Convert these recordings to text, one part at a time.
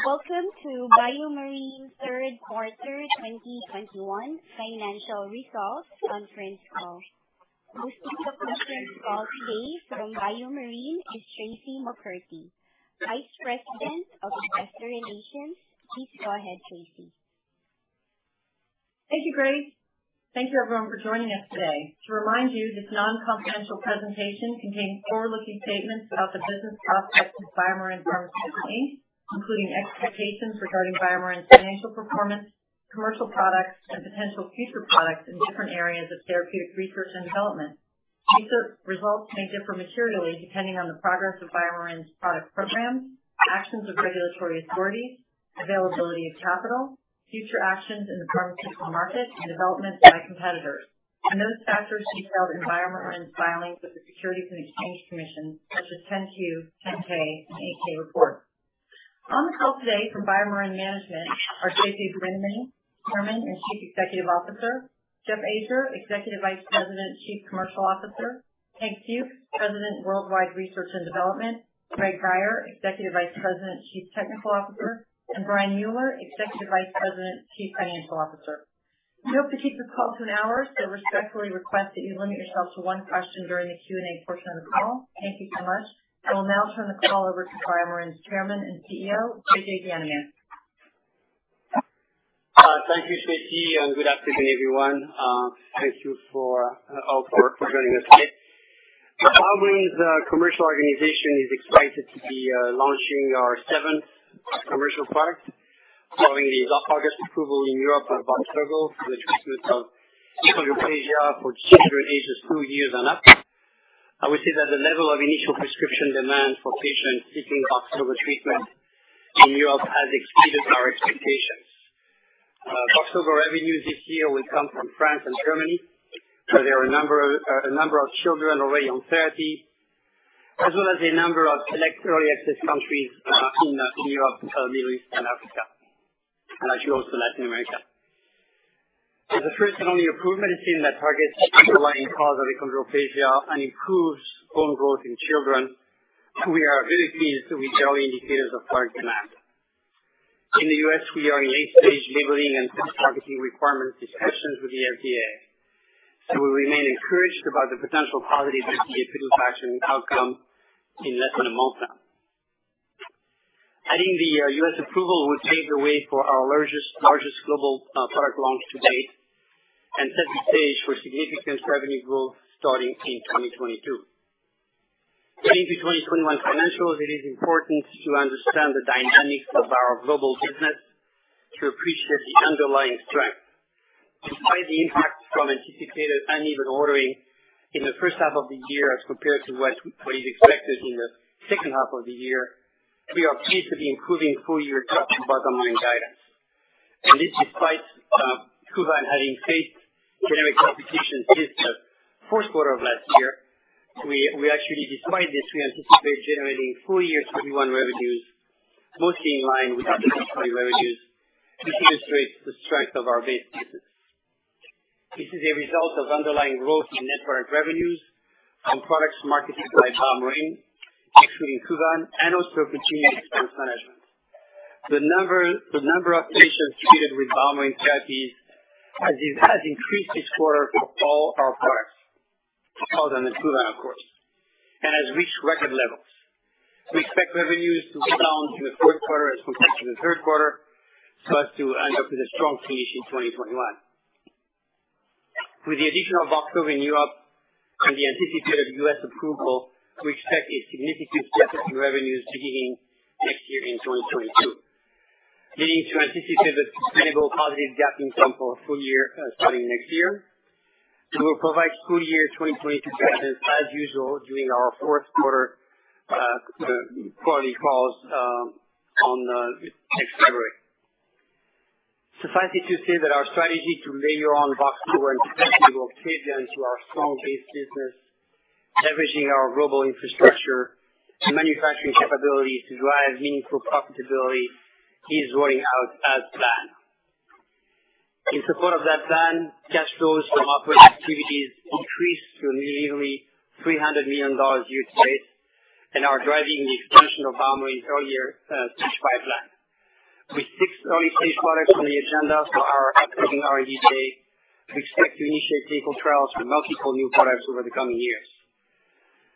Welcome to BioMarin's third quarter 2021 Financial Results Conference Call. Hosting the conference call today from BioMarin is Traci McCarty, Vice President of Investor Relations. Please go ahead, Traci. Thank you, Grace. Thank you, everyone, for joining us today. To remind you, this non-confidential presentation contains forward-looking statements about the business prospects of BioMarin Pharmaceutical Inc., including expectations regarding BioMarin's financial performance, commercial products, and potential future products in different areas of therapeutic research and development. These results may differ materially depending on the progress of BioMarin's product programs, actions of regulatory authorities, availability of capital, future actions in the pharmaceutical market, and development by competitors. Those factors detailed in BioMarin's filings with the Securities and Exchange Commission, such as Form 10-Q, 10-K, and 8-K reports. On the call today from BioMarin management are JJ Bienaimé, Chairman and Chief Executive Officer; Jeff Ajer, Executive Vice President and Chief Commercial Officer; Hank Fuchs, President, Worldwide Research and Development; Greg Guyer, Executive Vice President and Chief Technical Officer; and Brian Mueller, Executive Vice President and Chief Financial Officer. We hope to keep the call to an hour, so respectfully request that you limit yourself to one question during the Q&A portion of the call. Thank you so much. I will now turn the call over to BioMarin's Chairman and CEO, JJ Bienaimé. Thank you, Traci, and good afternoon, everyone. Thank you for joining us today. BioMarin's commercial organization is excited to be launching our seventh commercial product following the August approval in Europe of Voxzogo for the treatment of achondroplasia for children ages two years and up. We see that the level of initial prescription demand for patients seeking Voxzogo treatment in Europe has exceeded our expectations. Voxzogo revenue this year will come from France and Germany, where there are a number of children already on therapy, as well as a number of select early access countries in Europe, the Middle East, and Africa, and actually also Latin America. As the first and only approved medicine that targets the underlying cause of achondroplasia and improves bone growth in children, we are very pleased with the early indicators of product demand. In the U.S., we are in late-stage labeling and post-marketing requirement discussions with the FDA. We remain encouraged about the potential positive FDA approval action outcome in less than a month time. Adding the U.S. approval would pave the way for our largest global product launch to date and set the stage for significant revenue growth starting in 2022. Getting to 2021 financials, it is important to understand the dynamics of our global business to appreciate the underlying strength. Despite the impact from anticipated uneven ordering in the first half of the year as compared to what is expected in the second half of the year, we are pleased to be improving full-year top- and bottom-line guidance. This despite Kuvan having faced generic competition since the fourth quarter of last year. We actually despite this anticipate generating full-year 2021 revenues mostly in line with our 2020 revenues to illustrate the strength of our base business. This is a result of underlying growth in net product revenues from products marketed by BioMarin, excluding Kuvan and also operating expense management. The number of patients treated with BioMarin therapies has increased this quarter for all our products, all other than Kuvan, of course, and has reached record levels. We expect revenues to be down in the fourth quarter as compared to the third quarter, so as to end up with a strong finish in 2021. With the addition of Voxzogo in Europe and the anticipated U.S. approval, we expect a significant step-up in revenues beginning next year in 2022, leading to anticipated sustainable positive GAAP income for full-year starting next year. We will provide full-year 2022 guidance as usual during our fourth quarter quarterly calls on next February. Suffice it to say that our strategy to layer on Voxzogo and potentially Roctavian to our strong base business, leveraging our global infrastructure and manufacturing capabilities to drive meaningful profitability is rolling out as planned. In support of that plan, cash flows from operating activities increased to nearly $300 million and are driving the expansion of BioMarin's earlier stage pipeline. With six early-stage products on the agenda for our upcoming R&D day, we expect to initiate clinical trials for multiple new products over the coming years.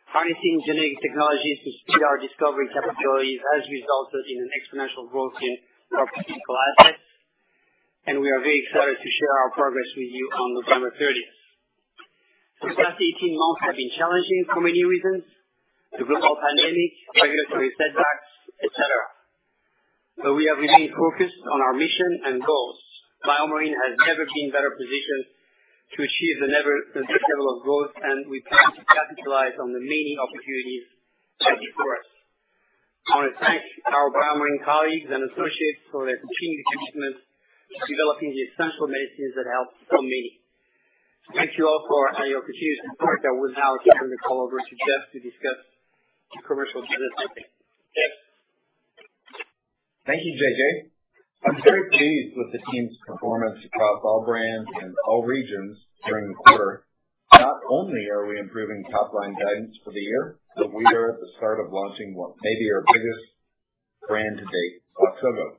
Harnessing genetic technologies to speed our discovery capabilities has resulted in an exponential growth in our clinical assets, and we are very excited to share our progress with you on November thirtieth. The past 18 months have been challenging for many reasons. The global pandemic, regulatory setbacks, et cetera. We have remained focused on our mission and goals. BioMarin has never been better positioned to achieve the next level of growth, and we plan to capitalize on the many opportunities that lie before us. I wanna thank our BioMarin colleagues and associates for their continued commitment to developing the essential medicines that help so many. Thank you all for your continued support. I will now turn the call over to Jeff to discuss the commercial business. Jeff? Thank you, JJ. I'm very pleased with the team's performance across all brands and all regions during the quarter. Not only are we improving top-line guidance for the year, but we are at the start of launching what may be our biggest brand to date, Voxzogo.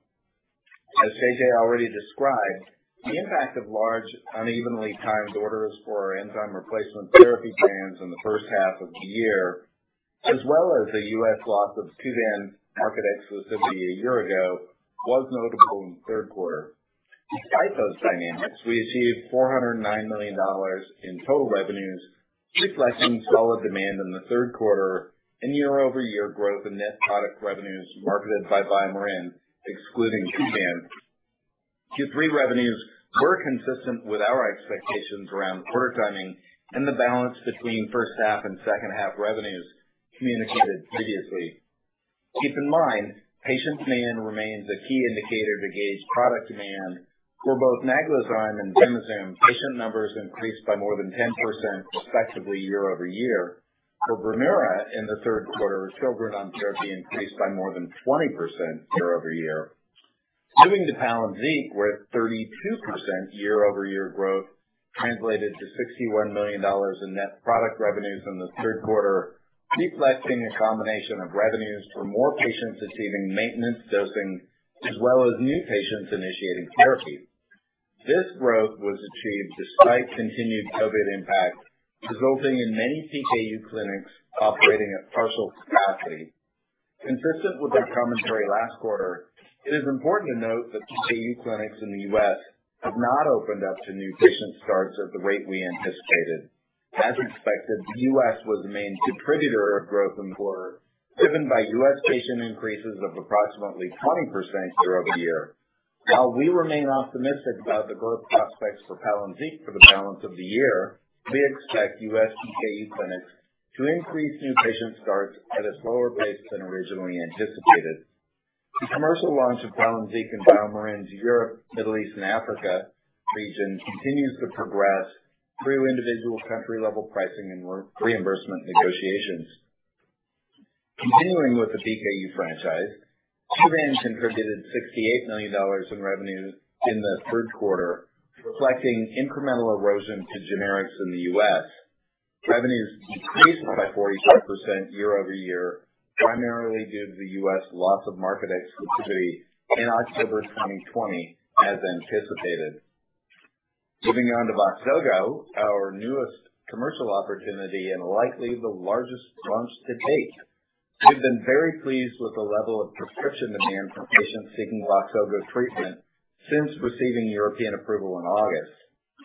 As JJ already described, the impact of large, unevenly timed orders for our enzyme replacement therapy brands in the first half of the year, as well as the U.S. loss of Kuvan market exclusivity a year ago, was notable in the third quarter. Despite those dynamics, we achieved $409 million in total revenues, reflecting solid demand in the third quarter and year-over-year growth in net product revenues marketed by BioMarin, excluding Kuvan. Q3 revenues were consistent with our expectations around quarter timing and the balance between first half and second half revenues communicated previously. Keep in mind, patient demand remains a key indicator to gauge product demand. For both Naglazyme and Vimizim, patient numbers increased by more than 10% respectively year-over-year. For Brineura, in the third quarter, children on therapy increased by more than 20% year-over-year. Moving to Palynziq, where 32% year-over-year growth translated to $61 million in net product revenues in the third quarter, reflecting a combination of revenues for more patients receiving maintenance dosing as well as new patients initiating therapy. This growth was achieved despite continued COVID impacts, resulting in many PKU clinics operating at partial capacity. Consistent with our commentary last quarter, it is important to note that PKU clinics in the U.S. have not opened up to new patient starts at the rate we anticipated. As expected, the U.S. was the main contributor of growth in the quarter, driven by U.S. patient increases of approximately 20% year-over-year. While we remain optimistic about the growth prospects for Palynziq for the balance of the year, we expect U.S. PKU clinics to increase new patient starts at a slower pace than originally anticipated. The commercial launch of Palynziq in BioMarin's Europe, Middle East, and Africa region continues to progress through individual country-level pricing and reimbursement negotiations. Continuing with the PKU franchise, Kuvan then contributed $68 million in revenues in the third quarter, reflecting incremental erosion to generics in the U.S. Revenues decreased by 44% year-over-year, primarily due to the U.S. loss of market exclusivity in October 2020, as anticipated. Moving on to Voxzogo, our newest commercial opportunity and likely the largest launch to date. We've been very pleased with the level of prescription demand from patients seeking Voxzogo treatment since receiving European approval in August.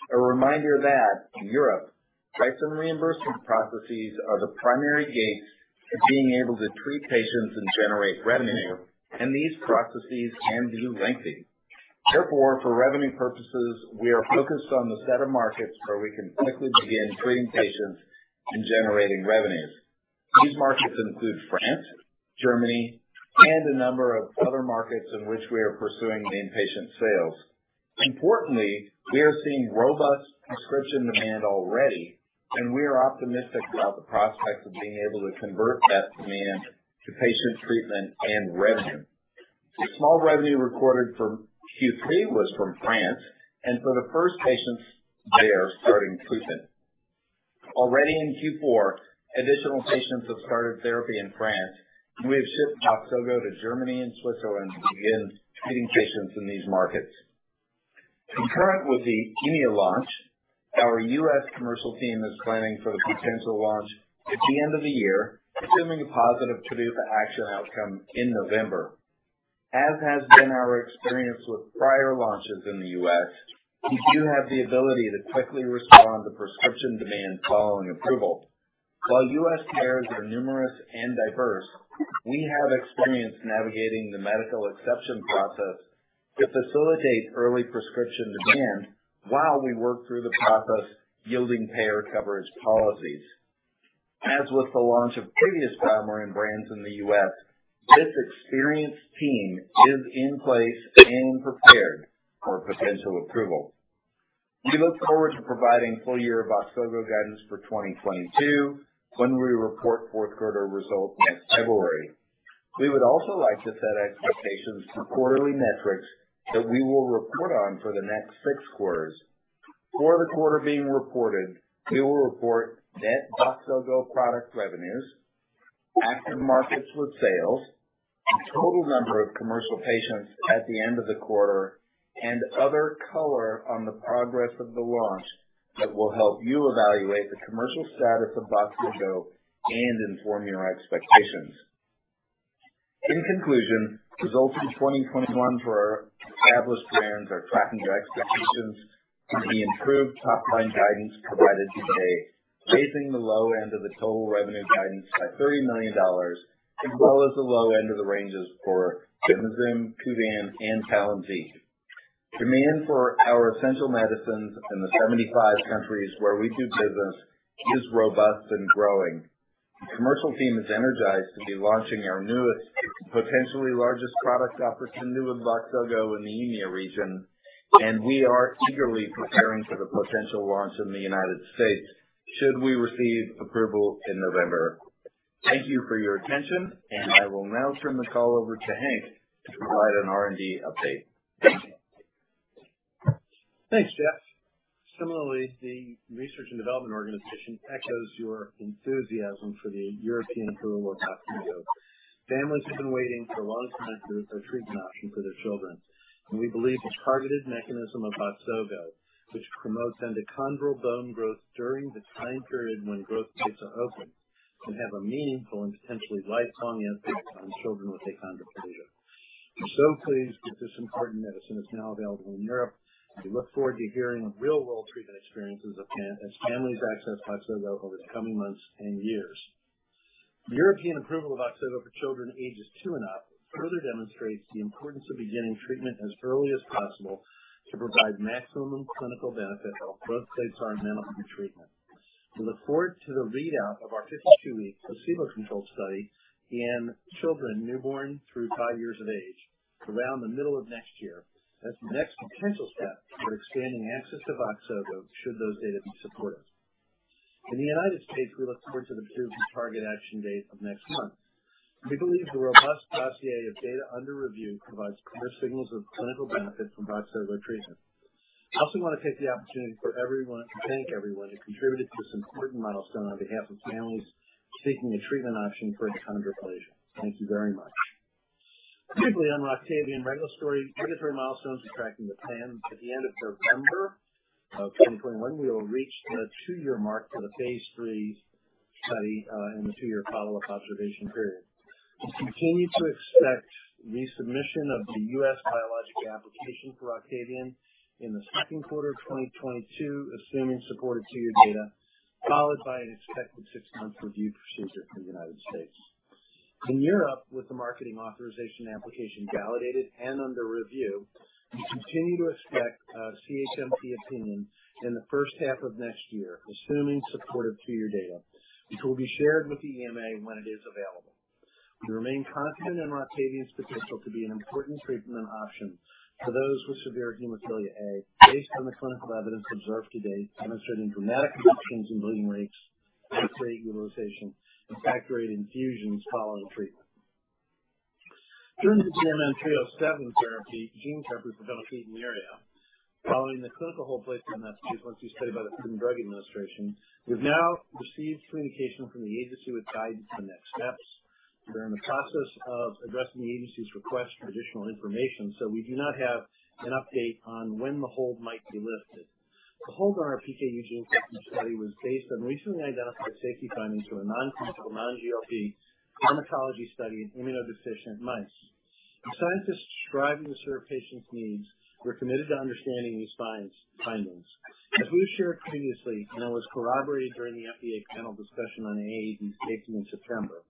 A reminder that in Europe, price and reimbursement processes are the primary gates to being able to treat patients and generate revenue, and these processes can be lengthy. Therefore, for revenue purposes, we are focused on the set of markets where we can quickly begin treating patients and generating revenues. These markets include France, Germany, and a number of other markets in which we are pursuing the inpatient sales. Importantly, we are seeing robust prescription demand already, and we are optimistic about the prospects of being able to convert that demand to patient treatment and revenue. The small revenue recorded for Q3 was from France, and for the first patients there starting treatment. Already in Q4, additional patients have started therapy in France, and we have shipped Voxzogo to Germany and Switzerland to begin treating patients in these markets. Concurrent with the EMEA launch, our U.S. commercial team is planning for the potential launch at the end of the year, assuming a positive PDUFA action outcome in November. As has been our experience with prior launches in the U.S., we do have the ability to quickly respond to prescription demand following approval. While U.S. payers are numerous and diverse, we have experience navigating the medical exception process to facilitate early prescription demand while we work through the process yielding payer coverage policies. As with the launch of previous BioMarin brands in the U.S., this experienced team is in place and prepared for potential approval. We look forward to providing full-year Voxzogo guidance for 2022 when we report fourth quarter results next February. We would also like to set expectations for quarterly metrics that we will report on for the next six quarters. For the quarter being reported, we will report net Voxzogo product revenues, active markets with sales, the total number of commercial patients at the end of the quarter, and other color on the progress of the launch that will help you evaluate the commercial status of Voxzogo and inform your expectations. In conclusion, results in 2021 for our established brands are tracking to expectations with the improved top-line guidance provided today, raising the low end of the total revenue guidance by $30 million, as well as the low end of the ranges for Vimizim, Kuvan, and Palynziq. Demand for our essential medicines in the 75 countries where we do business is robust and growing. The commercial team is energized to be launching our newest, potentially largest product opportunity with Voxzogo in the EMEA region, and we are eagerly preparing for the potential launch in the United States should we receive approval in November. Thank you for your attention, and I will now turn the call over to Hank to provide an R&D update. Thanks, Jeff. Similarly, the research and development organization echoes your enthusiasm for the European approval of Voxzogo. Families have been waiting for a long time for a treatment option for their children, and we believe the targeted mechanism of Voxzogo, which promotes endochondral bone growth during the time period when growth plates are open, can have a meaningful and potentially lifelong impact on children with achondroplasia. We're so pleased that this important medicine is now available in Europe, and we look forward to hearing real-world treatment experiences of parents as families access Voxzogo over the coming months and years. The European approval of Voxzogo for children ages two and up further demonstrates the importance of beginning treatment as early as possible to provide maximum clinical benefit while growth plates are open. We look forward to the readout of our 52-week placebo-controlled study in children newborn through five years of age around the middle of next year as the next potential step toward expanding access to Voxzogo should those data be supportive. In the United States, we look forward to the PDUFA target action date of next month. We believe the robust dossier of data under review provides clear signals of clinical benefit from Voxzogo treatment. I also want to take the opportunity for everyone to thank everyone who contributed to this important milestone on behalf of families seeking a treatment option for achondroplasia. Thank you very much. Quickly, on Roctavian regulatory milestones are tracking with plan. At the end of November of 2021, we will reach the two-year mark for the phase III study, and the two-year follow-up observation period. We continue to expect resubmission of the U.S. biologic application for Roctavian in the second quarter of 2022, assuming supportive two-year data, followed by an expected six-month review procedure for the United States. In Europe, with the Marketing Authorisation Application validated and under review, we continue to expect a CHMP opinion in the first half of next year, assuming supportive two-year data, which will be shared with the EMA when it is available. We remain confident in Roctavian's potential to be an important treatment option for those with severe hemophilia A based on the clinical evidence observed to date, demonstrating dramatic reductions in bleeding rates, platelet utilization, and factor VIII infusions following treatment. Turning to BMN 307 therapy, gene therapy for phenylketonuria. Following the clinical hold placed on that phase I/II study by the Food and Drug Administration, we've now received communication from the agency with guidance on next steps. We're in the process of addressing the agency's request for additional information, so we do not have an update on when the hold might be lifted. The hold on our PKU gene therapy study was based on recently identified safety findings for a nonclinical, non-GLP pharmacology study in immunodeficient mice. As scientists striving to serve patients' needs, we're committed to understanding these science findings. As we've shared previously, and it was corroborated during the FDA panel discussion on the AAV space in September,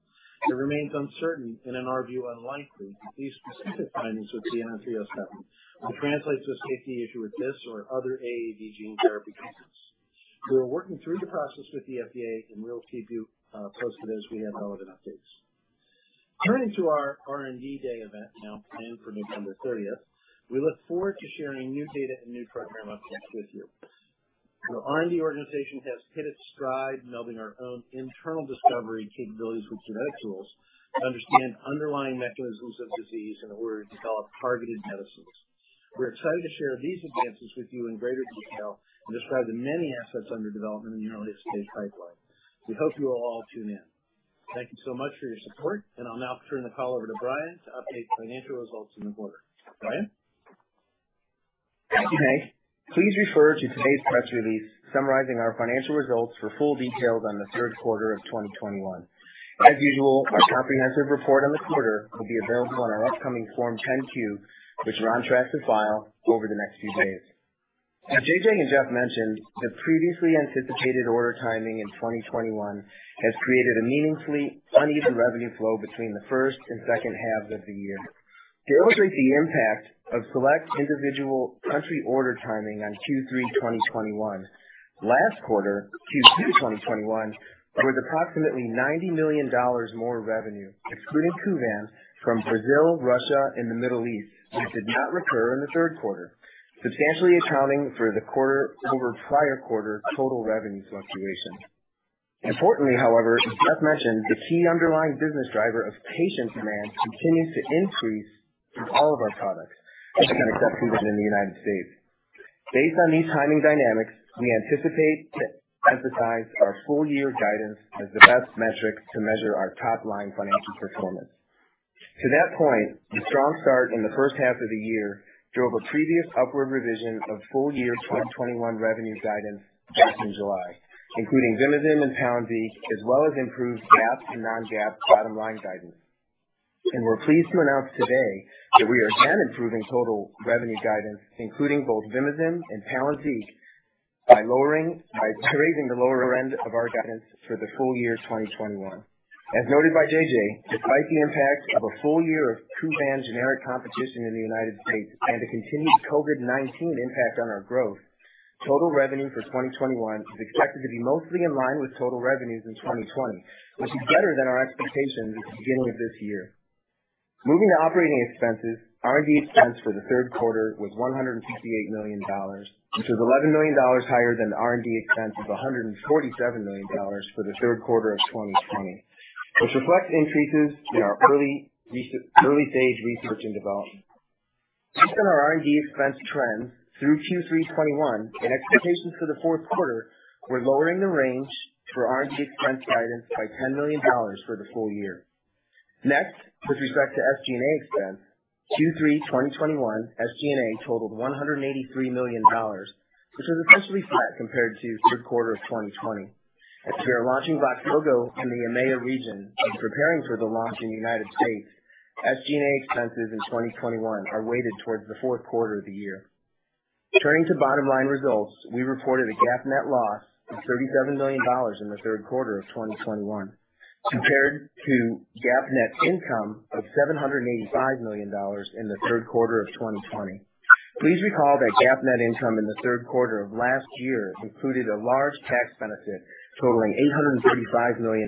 it remains uncertain and, in our view, unlikely that these specific findings with BMN 307 will translate to a safety issue with this or other AAV gene therapy candidates. We're working through the process with the FDA, and we'll keep you posted as we have relevant updates. Turning to our R&D Day event, now planned for November 30th, we look forward to sharing new data and new program updates with you. The R&D organization has hit its stride melding our own internal discovery capabilities with genetic tools to understand underlying mechanisms of disease in order to develop targeted medicines. We're excited to share these advances with you in greater detail and describe the many assets under development in the early-stage pipeline. We hope you will all tune in. Thank you so much for your support, and I'll now turn the call over to Brian to update financial results in the quarter. Brian? Thank you, Hank. Please refer to today's press release summarizing our financial results for full details on the third quarter of 2021. As usual, our comprehensive report on the quarter will be available on our upcoming Form 10-Q, which we're on track to file over the next few days. As JJ and Jeff mentioned, the previously anticipated order timing in 2021 has created a meaningfully uneven revenue flow between the first and second halves of the year. To illustrate the impact of select individual country order timing on Q3 2021, last quarter, Q2 2021, there was approximately $90 million more revenue, excluding Kuvan from Brazil, Russia, and the Middle East, which did not recur in the third quarter, substantially accounting for the quarter-over-prior-quarter total revenue fluctuation. Importantly, however, as Jeff mentioned, the key underlying business driver of patient demand continues to increase in all of our products, except for Vimizim in the United States. Based on these timing dynamics, we anticipate to emphasize our full-year 2021 guidance as the best metric to measure our top-line financial performance. To that point, the strong start in the first half of the year drove a previous upward revision of full-year 2021 revenue guidance back in July, including Vimizim and Palynziq, as well as improved GAAP to non-GAAP bottom-line guidance. We're pleased to announce today that we are again improving total revenue guidance, including both Vimizim and Palynziq, by raising the lower end of our guidance for the full-year 2021. As noted by JJ, despite the impact of a full-year of Kuvan generic competition in the United States and the continued COVID-19 impact on our growth, total revenue for 2021 is expected to be mostly in line with total revenues in 2020, which is better than our expectations at the beginning of this year. Moving to operating expenses, R&D expense for the third quarter was $158 million, which is $11 million higher than the R&D expense of $147 million for the third quarter of 2020, which reflects increases in our early-stage research and development. Based on our R&D expense trends through Q3 2021 and expectations for the fourth quarter, we're lowering the range for R&D expense guidance by $10 million for the full-year. Next, with respect to SG&A expense, Q3 2021 SG&A totaled $183 million, which was essentially flat compared to third quarter of 2020. As we are launching Voxzogo in the EMEA region and preparing for the launch in the United States, SG&A expenses in 2021 are weighted towards the fourth quarter of the year. Turning to bottom-line results, we reported a GAAP net loss of $37 million in the third quarter of 2021, compared to GAAP net income of $785 million in the third quarter of 2020. Please recall that GAAP net income in the third quarter of last year included a large tax benefit totaling $835 million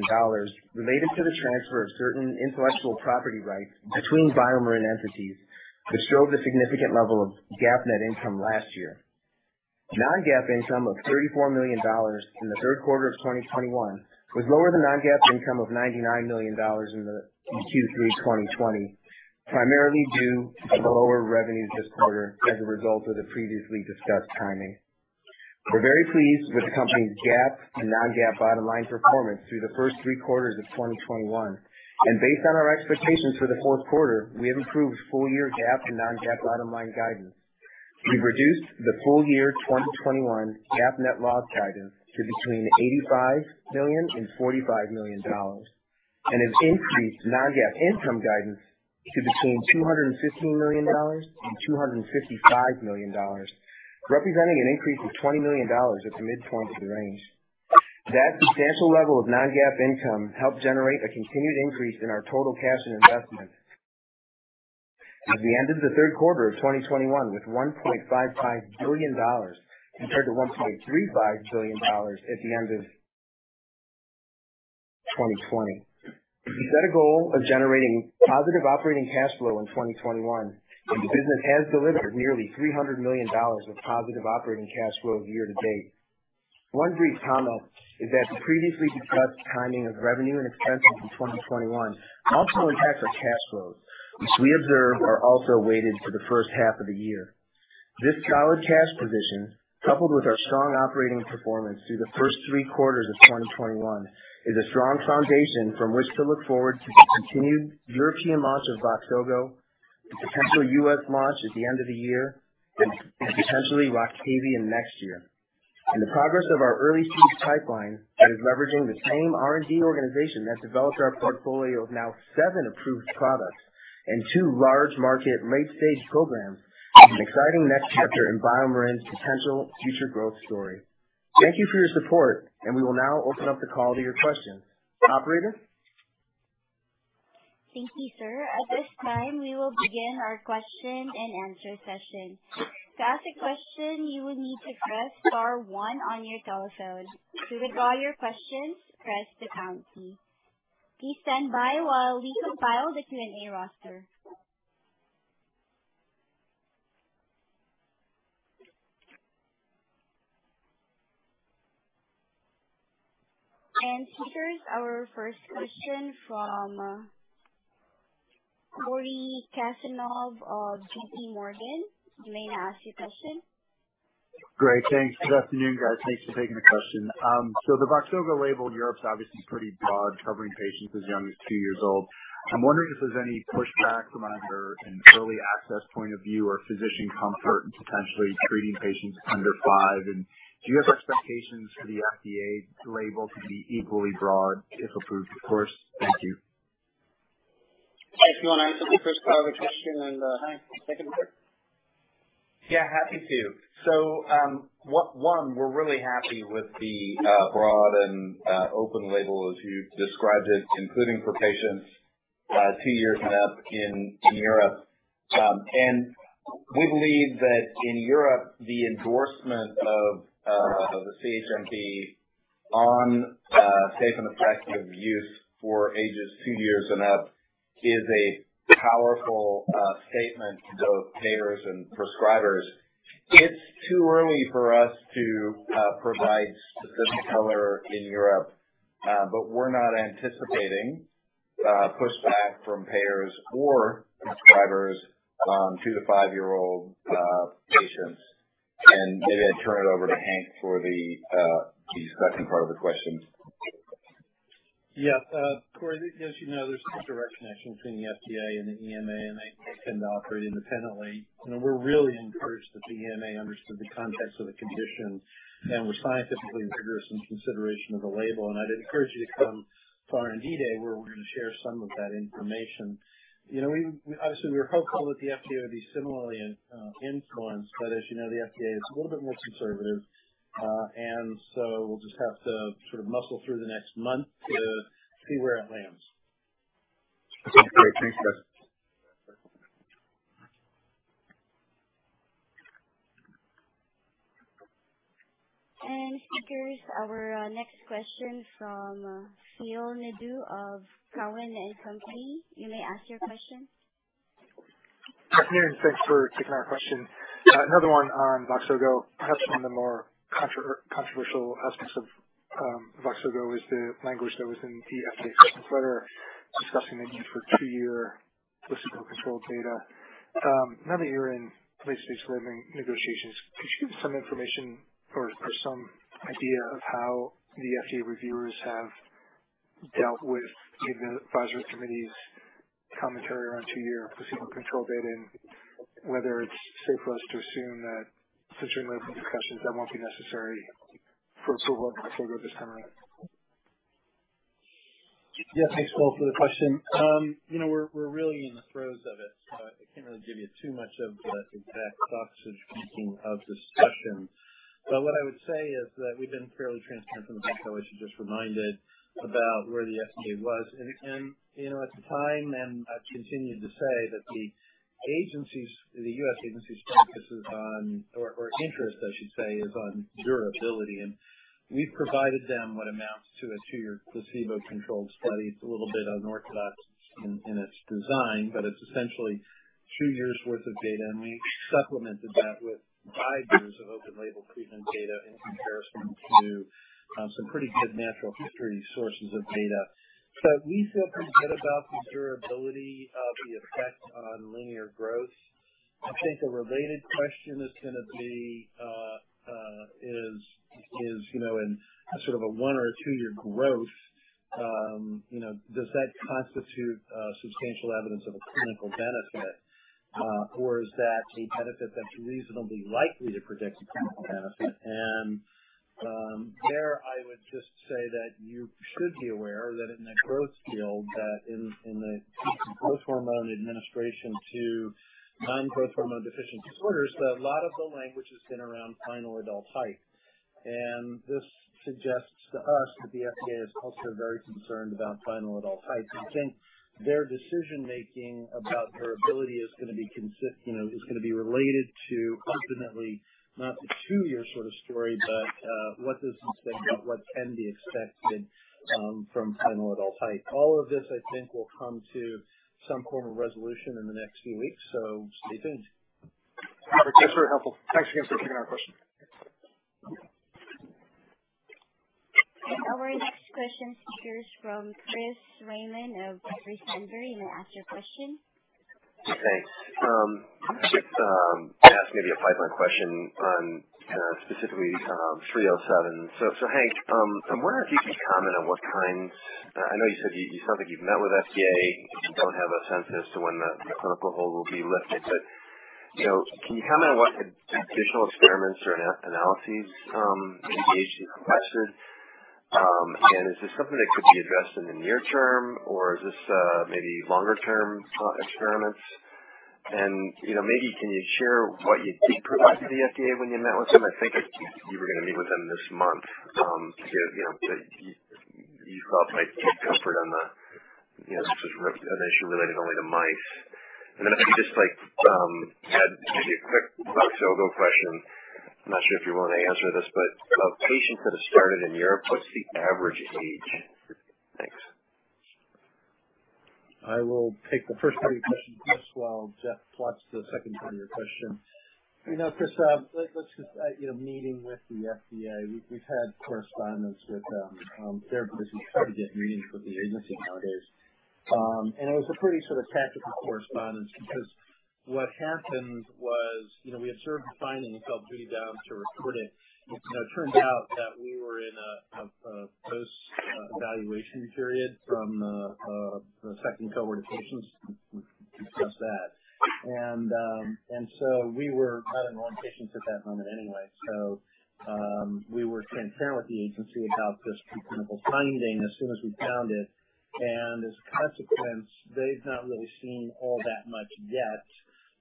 related to the transfer of certain intellectual property rights between BioMarin entities that showed a significant level of GAAP net income last year. Non-GAAP income of $34 million in the third quarter of 2021 was lower than non-GAAP income of $99 million in the Q3 2020, primarily due to lower revenues this quarter as a result of the previously discussed timing. We're very pleased with the company's GAAP and non-GAAP bottom line performance through the first three quarters of 2021, and based on our expectations for the fourth quarter, we have improved full-year GAAP and non-GAAP bottom line guidance. We've reduced the full-year 2021 GAAP net loss guidance to between $85 million and $45 million, and have increased non-GAAP income guidance to between $215 million and $255 million, representing an increase of $20 million at the mid-point of the range. That substantial level of non-GAAP income helped generate a continued increase in our total cash and investments at the end of the third quarter of 2021, with $1.55 billion compared to $1.35 billion at the end of 2020. We set a goal of generating positive operating cash flow in 2021, and the business has delivered nearly $300 million of positive operating cash flow year to date. One brief comment is that the previously discussed timing of revenue and expenses in 2021 also impacts our cash flows, which we observe are also weighted to the first half of the year. This solid cash position, coupled with our strong operating performance through the first three quarters of 2021, is a strong foundation from which to look forward to the continued European launch of Voxzogo, the potential US launch at the end of the year, and potentially Roctavian next year. The progress of our early-stage pipeline that is leveraging the same R&D organization that developed our portfolio of now 7 approved products and 2 large market late-stage programs is an exciting next chapter in BioMarin's potential future growth story. Thank you for your support, and we will now open up the call to your questions. Operator? Thank you, sir. At this time, we will begin our question-and-answer session. To ask a question, you will need to press star one on your telephone. To withdraw your question, press the pound key. Please stand by while we compile the Q&A roster. Here's our first question from Cory Kasimov of JPMorgan. You may now ask your question. Great. Thanks. Good afternoon, guys. Thanks for taking the question. So, the Voxzogo label in Europe is obviously pretty broad, covering patients as young as two years old. I'm wondering if there's any pushback from either an early access point of view or physician comfort in potentially treating patients under five. Do you have expectations for the FDA label to be equally broad if approved, of course? Thank you. Jeff, do you wanna answer the first part of the question, and Hank, the second part? Yeah, happy to. One, we're really happy with the broad and open label as you described it, including for patients two years and up in Europe. We believe that in Europe, the endorsement of the CHMP on safe and effective use for ages two years and up is a powerful statement to both payers and prescribers. It's too early for us to provide specific color in Europe, but we're not anticipating pushback from payers or prescribers on two- to five-year-old patients. I'm gonna turn it over to Hank for the second part of the question. Yeah, Cory, as you know, there's a close direct connection between the FDA and the EMA, and they tend to operate independently. You know, we're really encouraged that the EMA understood the context of the condition and were scientifically rigorous in consideration of the label. I'd encourage you to come to our R&D Day, where we're gonna share some of that information. You know, we obviously were hopeful that the FDA would be similarly influenced, but as you know, the FDA is a little bit more conservative. We'll just have to sort of muscle through the next month to see where it lands. Okay. Great. Thanks, guys. Speakers, our next question from Phil Nadeau of Cowen and Company. You may ask your question. Good afternoon. Thanks for taking our question. Another one on Voxzogo. Perhaps one of the more controversial aspects of Voxzogo is the language that was in the FDA questions letter discussing the need for two-year placebo-controlled data. Now that you're in late-stage labeling negotiations, could you give some information or some idea of how the FDA reviewers have dealt with, you know, the advisory committee's commentary around two-year placebo-controlled data, and whether it's safe for us to assume that since you're in those discussions, that won't be necessary for Voxzogo at this time around? Yeah. Thanks, Phil, for the question. You know, we're really in the throes of it, so I can't really give you too much of the exact sausage-making of discussion. What I would say is that we've been fairly transparent from the get-go, as you just reminded, about where the FDA was. You know, at the time, I've continued to say that the U.S. agency's interest, I should say, is on durability. We've provided them what amounts to a two-year placebo-controlled study. It's a little bit unorthodox in its design, but it's essentially two years' worth of data, and we supplemented that with five years of open label treatment data in comparison to some pretty good natural history sources of data. We feel pretty good about the durability of the effect on linear growth. I think the related question is gonna be, you know, in sort of a one- or two-year growth, you know, does that constitute substantial evidence of a clinical benefit, or is that a benefit that's reasonably likely to predict a clinical benefit? I would just say that you should be aware that in the growth field in the growth hormone administration to children with growth hormone deficiency disorders, that a lot of the language has been around final adult height. This suggests to us that the FDA is also very concerned about final adult height. I think their decision-making about durability is gonna be, you know, related to ultimately not the two-year sort of story, but what this is about what can be expected from final adult height. All of this, I think, will come to some form of resolution in the next few weeks, so stay tuned. Got it. That's very helpful. Thanks again for taking our question. Our next question here is from Chris Raymond of Jefferies. You may ask your question. Thanks. Just ask maybe a pipeline question on specifically 307. So Hank, I wonder if you could comment on what kinds. I know you said you sound like you've met with FDA. You don't have a sense as to when the clinical hold will be lifted. But you know, can you comment on what additional experiments or analyses the agency requested? And is this something that could be addressed in the near term, or is this maybe longer-term experiments? And you know, maybe can you share what you did provide to the FDA when you met with them? I think you were gonna meet with them this month, to you know, that you thought might get comfort on the you know, this was an issue related only to mice. If you just like, add maybe a quick Voxzogo question. I'm not sure if you're willing to answer this, but of patients that have started in Europe, what's the average age? Thanks. I will take the first part of your question, Chris, while Jeff plots the second part of your question. You know, Chris, let's just, you know, meeting with the FDA. We've had correspondence with therapy as we try to get meetings with the agency nowadays. It was a pretty sort of tactical correspondence because what happened was, you know, we observed the finding and felt duty-bound to report it. You know, it turns out that we were in a post evaluation period from the second cohort of patients to discuss that. We were not enrolling patients at that moment anyway. We were transparent with the agency about this preclinical finding as soon as we found it. As a consequence, they've not really seen all that much yet.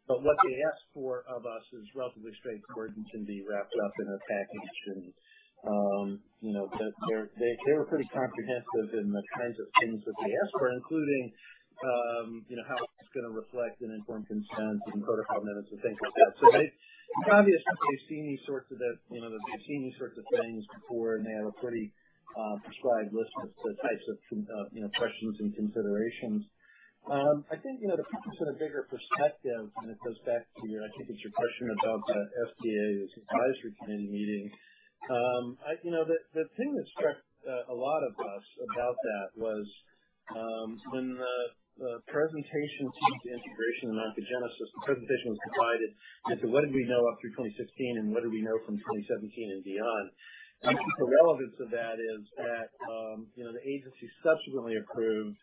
What they asked for of us is relatively straightforward and can be wrapped up in a package. You know, they were pretty comprehensive in the kinds of things that they asked for, including how it's gonna reflect an informed consent and protocol minutes and things like that. It's obvious that they've seen these sorts of things before, and they have a pretty prescribed list of the types of questions and considerations. I think the sort of bigger perspective, it goes back to, I think it's your question about the FDA's advisory committee meeting. You know, the thing that struck a lot of us about that was, when the presentation on T-cell integration and oncogenesis, the presentation was divided into what did we know up through 2016 and what did we know from 2017 and beyond. I think the relevance of that is that, you know, the agency subsequently approved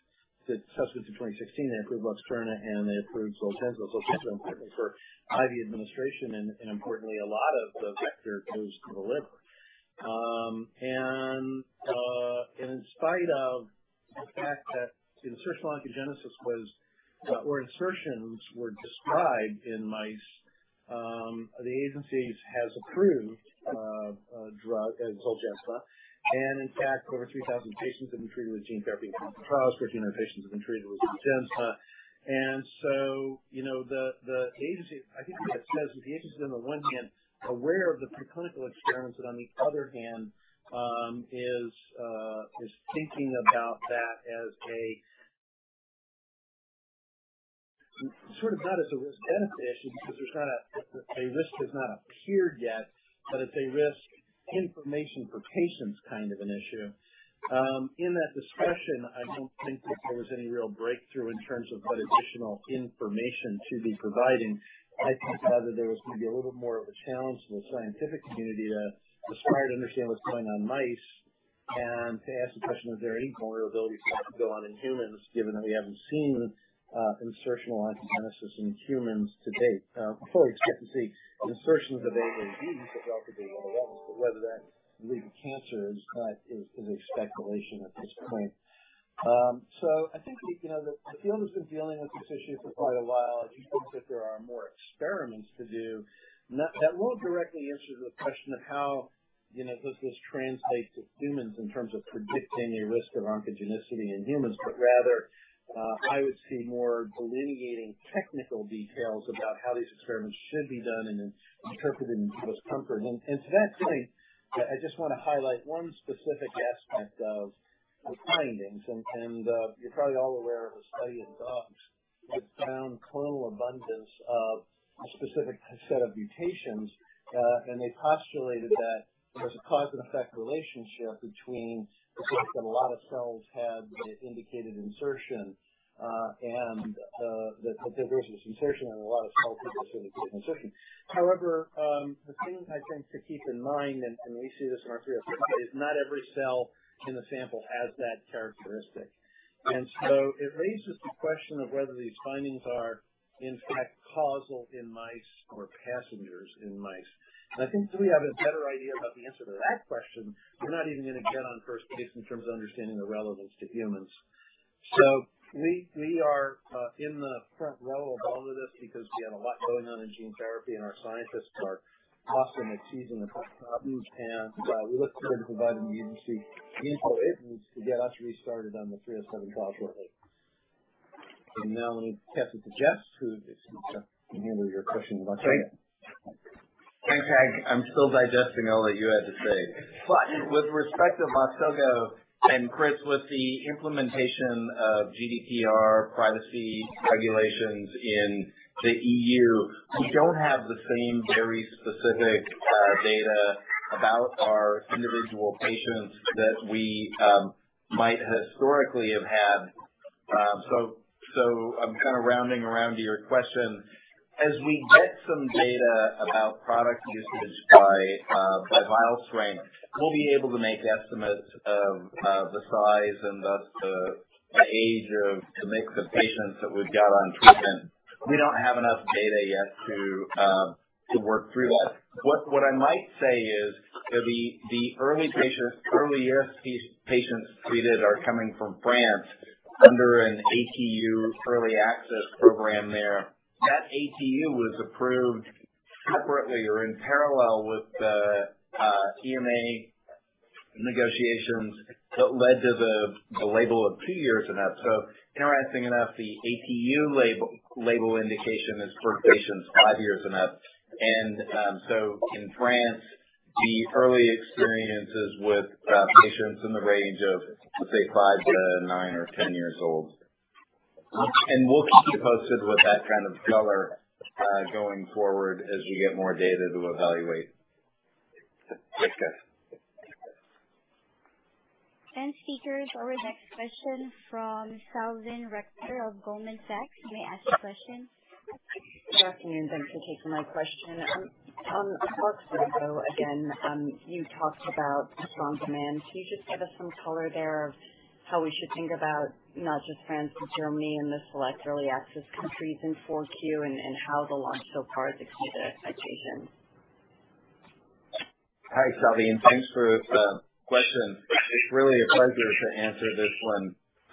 subsequent to 2016, they approved Luxturna, and they approved Zolgensma. Zolgensma, importantly, for IV administration, and importantly, a lot of the vector goes to the liver. In spite of the fact that insertional oncogenesis was or insertions were described in mice, the agency has approved a drug called Zolgensma, and in fact, over 3,000 patients have been treated with gene therapy in clinical trials. 13 patients have been treated with Zolgensma. You know, the agency, I think, as it says, the agency, on the one hand, aware of the preclinical experiments, but on the other hand, is thinking about that as a sort of not as a risk-benefit issue because a risk has not appeared yet, but it's a risk information for patients kind of an issue. In that discussion, I don't think that there was any real breakthrough in terms of what additional information to be providing. I think rather there was maybe a little bit more of a challenge to the scientific community to try to understand what's going on in mice and to ask the question of is there any vulnerabilities that could go on in humans, given that we haven't seen insertional oncogenesis in humans to date. Before we expect to see insertions of AAVs that could be one of the ones. Whether that leads to cancer is speculation at this point. I think, you know, the field has been dealing with this issue for quite a while. I do think that there are more experiments to do, none that will directly answer the question of how, you know, does this translate to humans in terms of predicting a risk of oncogenicity in humans, but rather, I would see more delineating technical details about how these experiments should be done and then interpreted and put us at comfort. You're probably all aware of a study in dogs that found clonal abundance of a specific set of mutations. They postulated that there was a cause-and-effect relationship between the fact that a lot of cells had the indicated insertion and that there was this insertion, and a lot of cells had this indicated insertion. However, the thing I think to keep in mind, and we see this in our 307, is not every cell in the sample has that characteristic. It raises the question of whether these findings are in fact causal in mice or passenger in mice. I think until we have a better idea about the answer to that question, we're not even going to get on first base in terms of understanding the relevance to humans. We are in the front row of all of this because we have a lot going on in gene therapy, and our scientists are crossing the T's in the front office, and we look forward to providing the agency the info it needs to get us restarted on the 307 pathway. Now I'm going to pass it to Jeff, who can handle your questions about- Thanks. Thanks, Hank. I'm still digesting all that you had to say. With respect to Voxzogo and Chris, with the implementation of GDPR privacy regulations in the E.U., we don't have the same very specific data about our individual patients that we might historically have had. I'm kind of circling around to your question. As we get some data about product usage by vial strength, we'll be able to make estimates of the size and the age of the mix of patients that we've got on treatment. We don't have enough data yet to work through that. What I might say is the early access patients treated are coming from France under an ATU early access program there. That ATU was approved separately or in parallel with the EMA negotiations that led to the label of two years and up. Interesting enough, the ATU label indication is for patients five years and up. In France, the early experiences with patients in the range of, let's say, five to nine or 10 years old. We'll keep you posted with that kind of color going forward as we get more data to evaluate the thickness. Speakers, our next question from Salveen Richter of Goldman Sachs. You may ask your question. Good afternoon. Thanks for taking my question. On Voxzogo again, you talked about strong demand. Can you just give us some color there of how we should think about not just France and Germany and the select early access countries in 4Q and how the launch so far has exceeded expectations? Hi, Salveen. Thanks for the question. It's really a pleasure to answer this one.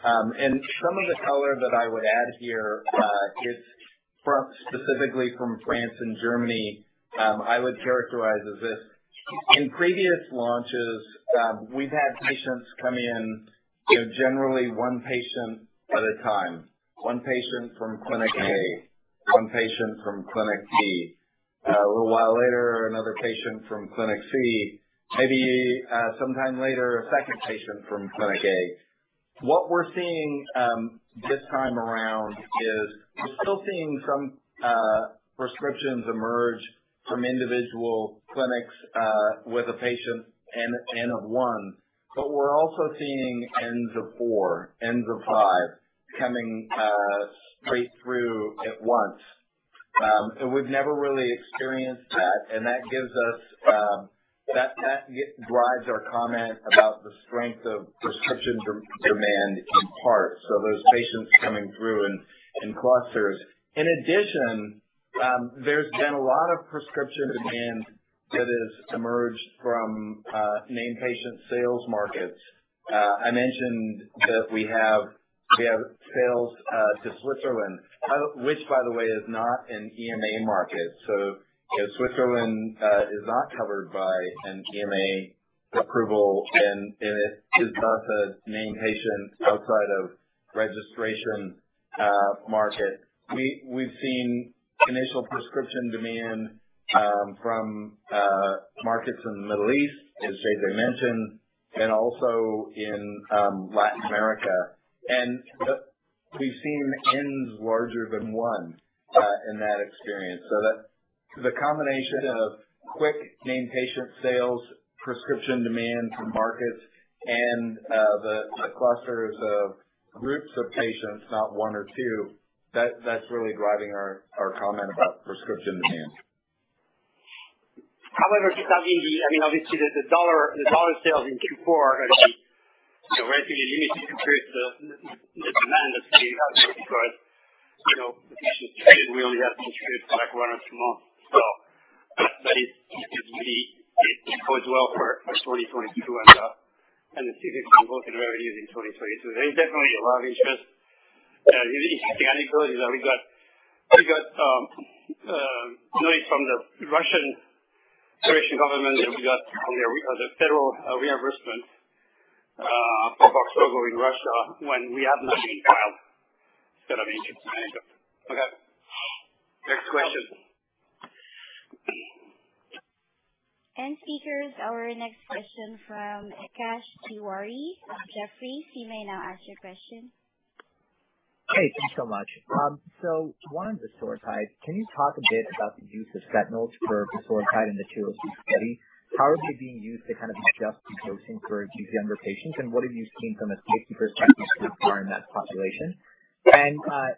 Some of the colors that I would add here is specifically from France and Germany. I would characterize as this. In previous launches, we've had patients come in, you know, generally 1 patient at a time, 1 patient from clinic A, 1 patient from clinic B. A little while later, another patient from clinic C, maybe sometime later, a second patient from clinic A. What we're seeing this time around is we're still seeing some prescriptions emerge from individual clinics with a patient N of 1, but we're also seeing Ns of 4, Ns of 5 coming straight through at once. We've never really experienced that, and that gives us that drives our comment about the strength of prescription demand in part, so those patients coming through in clusters. In addition, there's been a lot of prescription demand that has emerged from named patient sales markets. I mentioned that we have We have sales to Switzerland, which by the way is not an EMA market. You know, Switzerland is not covered by an EMA approval, and it is not a named patient outside of registration market. We've seen initial prescription demand from markets in the Middle East, as JJ Bienaimé mentioned, and also in Latin America. We've seen N's larger than one in that experience. That's the combination of quick named patient sales, prescription demand from markets and the clusters of groups of patients, not one or two, that's really driving our comment about prescription demand. However, I mean, obviously the dollar sales in Q4 are going to be, you know, revenue. You need to increase the demand of 50 because, you know, we only have distributed five runners a month. That bodes well for 2022 and the season converted revenues in 2022. There is definitely a lot of interest. The anecdotal is that we got news from the Russian government, and we got the federal reimbursement for Voxzogo in Russia when we have not even filed. That means it's nice. Okay. Next question. Speakers, our next question from Akash Tewari of Jefferies. You may now ask your question. Hey, thanks so much. So one, vosoritide. Can you talk a bit about the use of sentinels for vosoritide in the 202 study? How are they being used to kind of adjust the dosing for these younger patients? And what have you seen from a safety perspective so far in that population?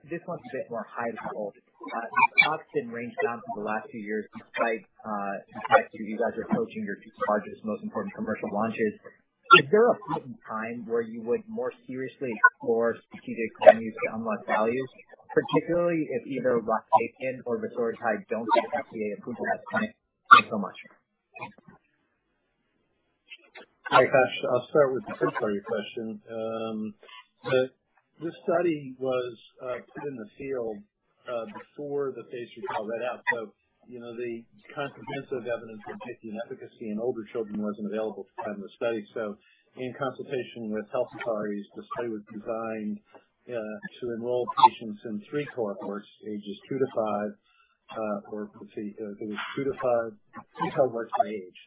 This one's a bit more high level. The stock's been traded down for the last few years despite you guys approaching your two largest, most important commercial launches. Is there a point in time where you would more seriously explore strategic avenues to unlock value, particularly if either Roctavian or vosoritide don't get FDA approval at that time? Thanks so much. Hi, Akash. I'll start with the first part of your question. This study was put in the field before the phase III trial readout. You know, the comprehensive evidence for safety and efficacy in older children wasn't available at the time of the study. In consultation with health authorities, the study was designed to enroll patients in three cohorts, ages two to five, or let's see. There was two to five. Please help us with the age.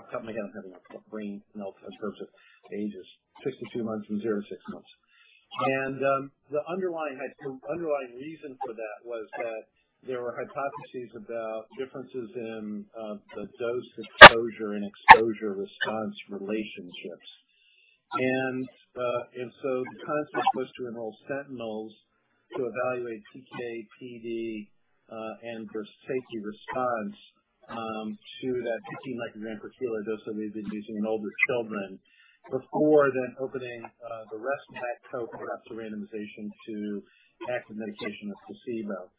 I'm coming again. I'm having a brain melt in terms of ages. 62 months and zero-six months. The underlying reason for that was that there were hypotheses about differences in the dose exposure and exposure response relationships. The concept was to enroll sentinels to evaluate PK/PD and the safety response to that 15 microgram per kg dose that we've been using in older children before then opening the rest of that cohort up to randomization to active medication with placebo.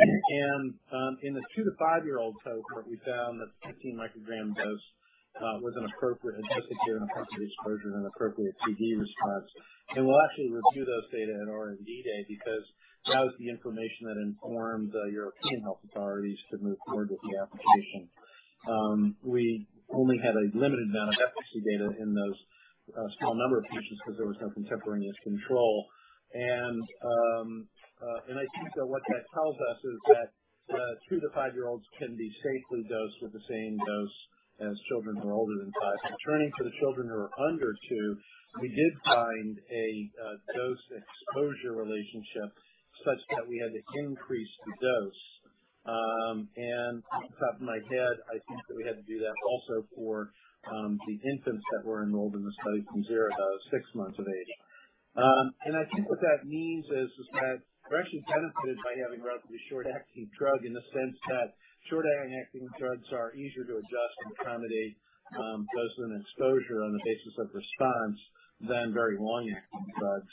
In the two-to-five-year-old cohort, we found that the 15-microgram dose was an appropriate and gave an appropriate exposure and appropriate PD response. We'll actually review those data at R&D Day because that was the information that informed the European health authorities to move forward with the application. We only had a limited amount of efficacy data in those small number of patients because there was no contemporaneous control. I think that what that tells us is that two- to five-year-olds can be safely dosed with the same dose as children who are older than five. Turning to the children who are under two, we did find a dose exposure relationship such that we had to increase the dose. Off the top of my head, I think that we had to do that also for the infants that were enrolled in the study from zero to six months of age. I think what that means is that we're actually benefited by having a relatively short-acting drug in the sense that short-acting drugs are easier to adjust and accommodate dose and exposure on the basis of response than very long-acting drugs.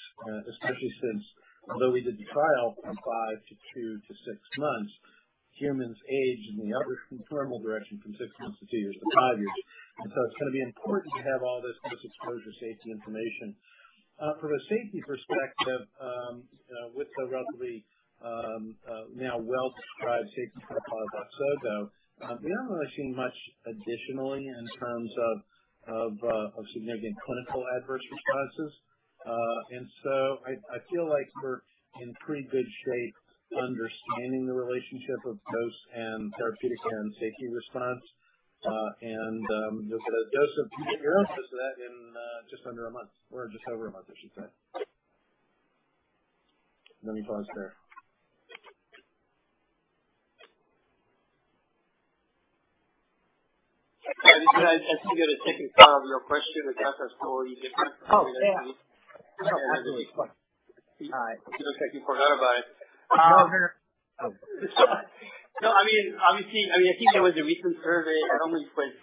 Especially since although we did the trial from five to 26 months, humans age in the other chronological direction from six months to two years to five years. It's going to be important to have all this dose exposure safety information. From a safety perspective, with the roughly now well-described safety profile of Voxzogo, we haven't really seen much additionally in terms of significant clinical adverse responses. I feel like we're in pretty good shape understanding the relationship of dose and therapeutic and safety response. We'll get additional European evidence of that in just under a month or just over a month, I should say. Let me pause there. I just want to get to the second part of your question because that's totally different. Oh, yeah. Just checking for that. No. I mean, obviously, I think there was a recent survey, 50% of investors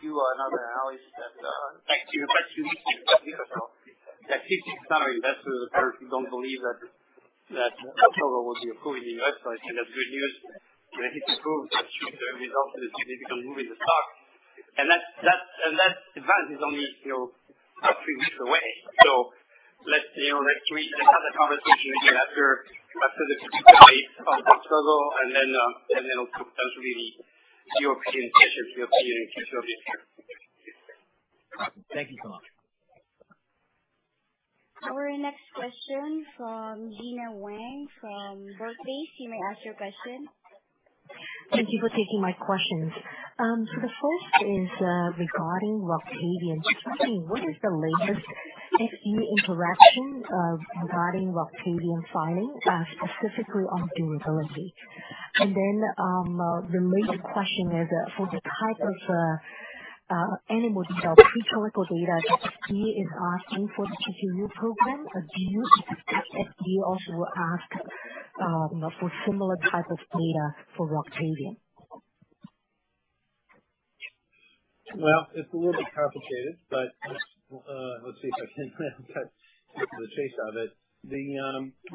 who don't believe that Voxzogo will be approved in the U.S. I think that's good news. I think it proves that short-term results is a significant move in the stock. That event is only, you know, a few weeks away. Let's, you know, have that conversation again after the PDUFA date of October. Then also that will be your presentation to appear in case of this year. Thank you so much. Our next question from Gena Wang from Barclays. You may ask your question. Thank you for taking my questions. The first is, regarding Roctavian. Just curious, what is the latest FDA interaction, regarding Roctavian filing, specifically on durability? Then, the related question is, for the type of animal data, preclinical data that FDA is asking for the PKU program. Do you expect FDA also will ask, you know, for similar type of data for Roctavian? Well, it's a little bit complicated, but let's see if I can cut to the chase of it. In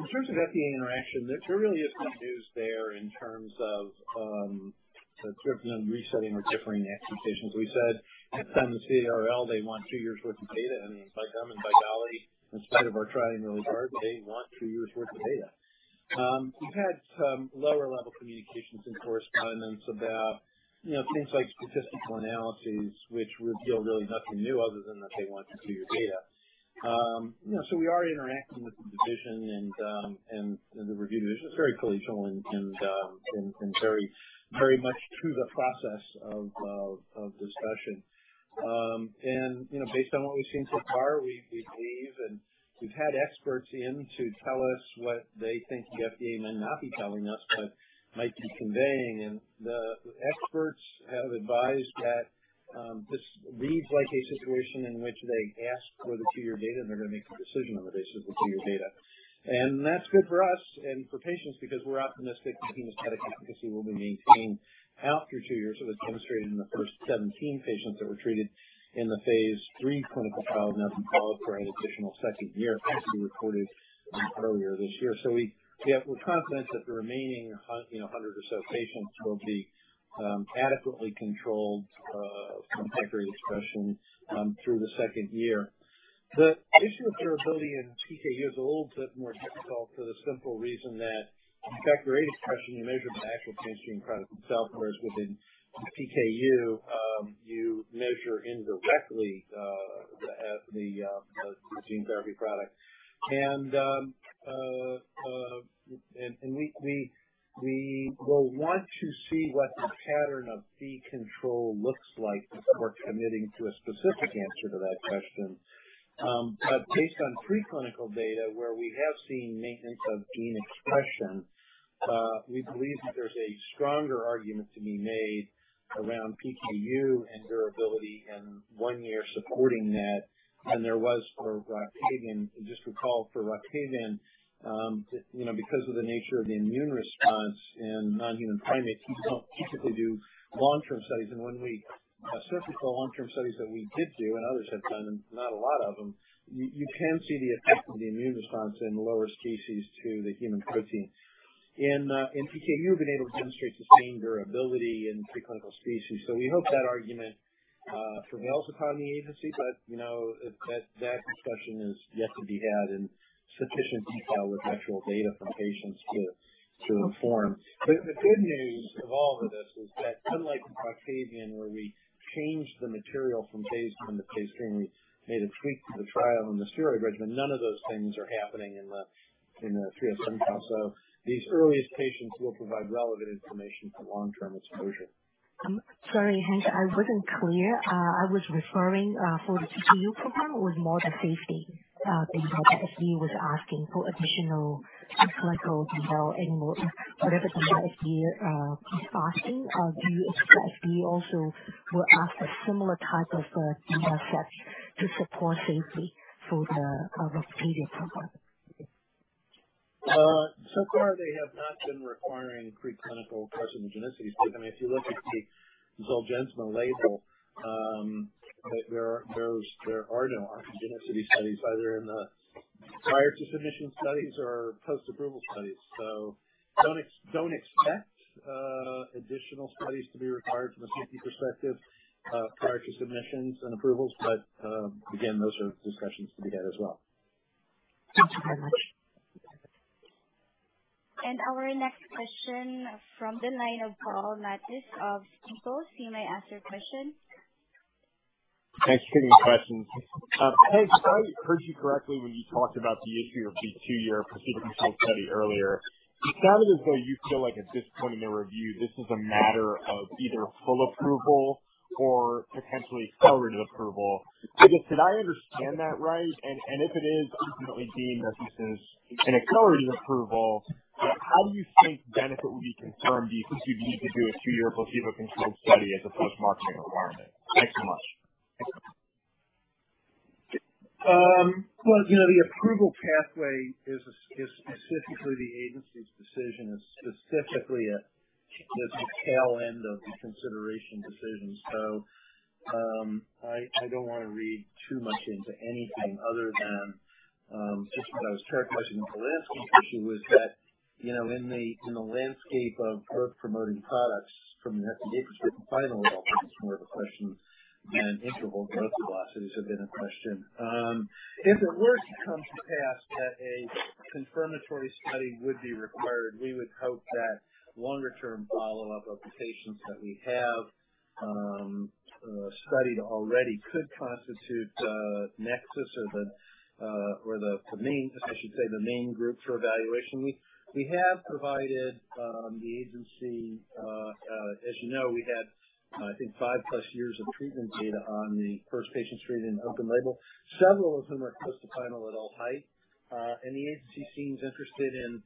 terms of FDA interaction, there really is no news there in terms of the timing and resetting or differing expectations. We said at the time of the CRL they want two years' worth of data, and it's like them and like Dolly. In spite of our trying really hard, they want two years' worth of data. We've had some lower-level communications and correspondence about, you know, things like statistical analyses which reveal really nothing new other than that they want two years' data. You know, we are interacting with the division and the review. It's just very collegial and very, very much through the process of discussion. You know, based on what we've seen so far, we believe, and we've had experts in to tell us what they think the FDA may not be telling us, but might be conveying. The experts have advised that this reads like a situation in which they ask for the two-year data, and they're gonna make a decision on the basis of the two-year data. That's good for us and for patients because we're optimistic the hemostatic efficacy will be maintained after two years. It was demonstrated in the first 17 patients that were treated in the phase III clinical trials, and that's been followed for an additional second year, as we reported earlier this year. We're confident that the remaining 100 or so patients will be adequately controlled from factor VIII expression through the second year. The issue of durability in PKU is a little bit more difficult for the simple reason that in factor VIII expression, you measure the actual gene product itself, whereas within PKU, you measure indirectly the gene therapy product. We will want to see what the pattern of Phe control looks like before committing to a specific answer to that question. But based on preclinical data where we have seen maintenance of gene expression, we believe that there's a stronger argument to be made around PKU and durability, and one year supporting that than there was for Roctavian. Just recall for Roctavian, you know, because of the nature of the immune response in non-human primates, you don't typically do long-term studies. When we assess the long-term studies that we did do and others have done, and not a lot of them, you can see the effect of the immune response in lower species to the human protein. In PKU, we've been able to demonstrate sustained durability in preclinical species. We hope that argument prevails upon the agency. You know, that discussion is yet to be had in sufficient detail with actual data from patients to inform. The good news of all of this is that, unlike Roctavian, where we changed the material from phase I to phase III, and we made a tweak to the trial and the steroid regimen, none of those things are happening in the 307 trial. These earliest patients will provide relevant information for long-term exposure. Sorry, Hank, I wasn't clear. I was referring for the PKU program, or more the safety input that FDA was asking for additional preclinical detail. Whatever detail FDA is asking, do you expect FDA also will ask a similar type of data set to support safety for the Roctavian program? So far, they have not been requiring preclinical carcinogenicity studies. I mean, if you look at the Zolgensma label, there are no carcinogenicity studies either in the prior to submission studies or post-approval studies. Don't expect additional studies to be required from a safety perspective prior to submissions and approvals. Again, those are discussions to be had as well. Thank you very much. Our next question from the line of Paul Matteis of Stifel. You may ask your question. Thanks for taking my questions. Hank, if I heard you correctly when you talked about the issue of the two-year placebo-controlled study earlier, it sounded as though you feel like at this point in the review, this is a matter of either full approval or potentially accelerated approval. Did I understand that right? And if it is ultimately deemed that this is an accelerated approval, how do you think benefit will be confirmed? Do you think you'd need to do a two-year placebo-controlled study as a post-marketing requirement? Thanks so much. Well, you know, the approval pathway is specifically the agency's decision and specifically at the tail end of the consideration decision. I don't want to read too much into anything other than just what I was asking. The question was that you know, in the landscape of growth promoting products from the FDA perspective, final adult height is more of a question than interval growth velocities have been a question. If it were to come to pass that a confirmatory study would be required, we would hope that longer term follow up of the patients that we have studied already could constitute a nexus of the or the main, I should say, the main group for evaluation. We have provided the agency, as you know, we had I think five plus years of treatment data on the first patients treated in open label, several of whom are close to final adult height. The agency seems interested in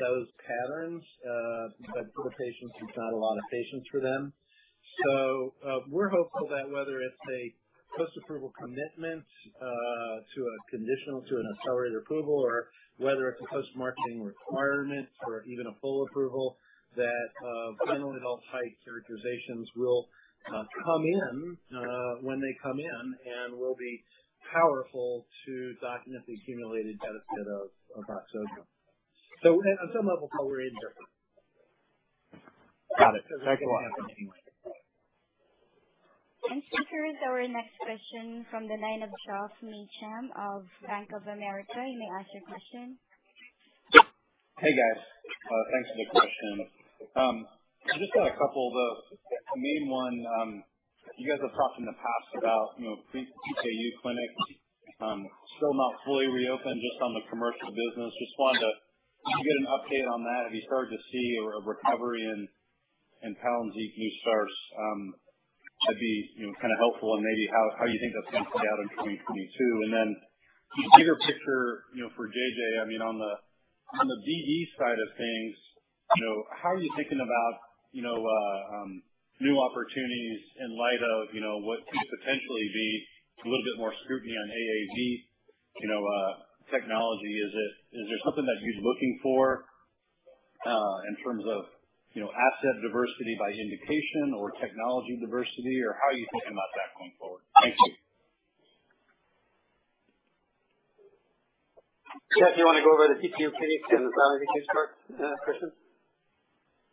those patterns. For the patients, it's not a lot of patients for them. We're hopeful that whether it's a post-approval commitment to a conditional to an accelerated approval, or whether it's a post-marketing requirement or even a full approval, that final adult height characterizations will come in when they come in and will be powerful to document the accumulated benefit of Voxzogo. On some level, how we're in Got it. Thanks a lot. Our next question is from the line of Geoff Meacham of Bank of America. You may ask your question. Hey, guys. Thanks for the question. I just got a couple. The main one, you guys have talked in the past about, you know, PKU clinic still not fully reopened, just on the commercial business. Just wanted to get an update on that. Have you started to see a recovery in Palynziq starts? That'd be, you know, kind of helpful in maybe how you think that's going to play out in 2022. Bigger picture, you know, for JJ, I mean, on the R&D side of things, you know, how are you thinking about, you know, new opportunities in light of, you know, what could potentially be a little bit more scrutiny on AAV technology? Is there something that you're looking for, in terms of, you know, asset diversity by indication or technology diversity, or how are you thinking about that going forward? Thank you. Jeff, do you want to go over the PKU clinics and the ZT start, question?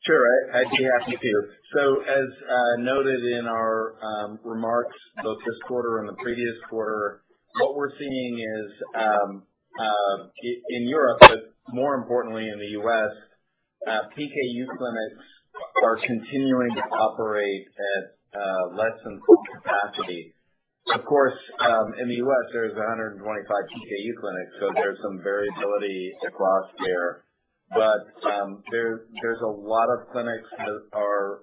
Sure. I'd be happy to. As noted in our remarks both this quarter and the previous quarter, what we're seeing is in Europe, but more importantly in the U.S., PKU clinics are continuing to operate at less than full capacity. Of course, in the U.S. there's 125 PKU clinics, so there's some variability across there. There's a lot of clinics that are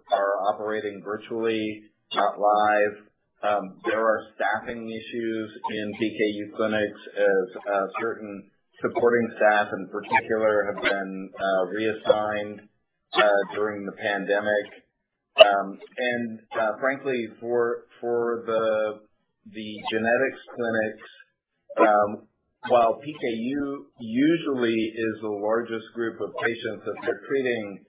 operating virtually, not live. There are staffing issues in PKU clinics as certain supporting staff in particular have been reassigned during the pandemic. Frankly, for the genetics clinics, while PKU usually is the largest group of patients that they're treating,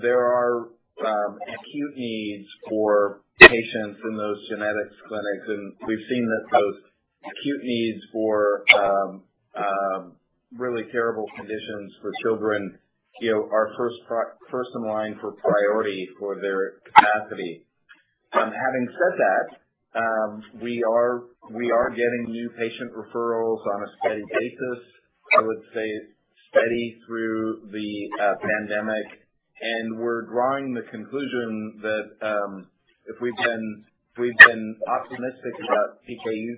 there are acute needs for patients in those genetics clinics. We've seen that those acute needs for really terrible conditions for children, you know, are first in line for priority for their capacity. Having said that, we are getting new patient referrals on a steady basis. I would say steady through the pandemic. We're drawing the conclusion that, if we've been optimistic about PKU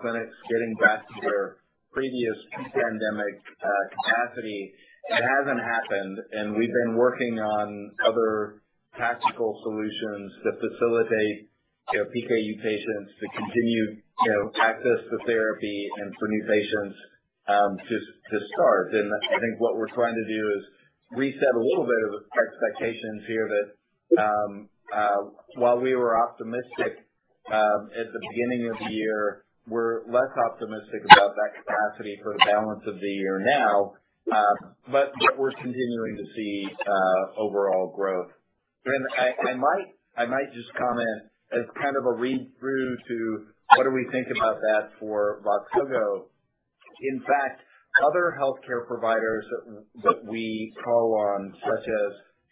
clinics getting back to their previous pre-pandemic capacity, it hasn't happened. We've been working on other tactical solutions that facilitate, you know, PKU patients to continue, you know, access to therapy, and for new patients to start. I think what we're trying to do is reset a little bit of expectations here that, while we were optimistic at the beginning of the year, we're less optimistic about that capacity for the balance of the year now. But we're continuing to see overall growth. I might just comment as kind of a read-through to what do we think about that for Voxzogo. In fact, other healthcare providers that we call on, such as